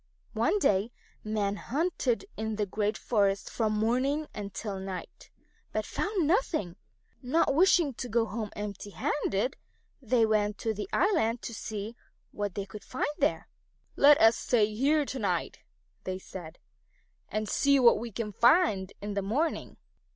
One day men hunted in the great forest from morning until night, but found nothing. Not wishing to go home empty handed, they went to the island to see what they could find there. "Let us stay here to night," they said, "and see what we can find in the morning."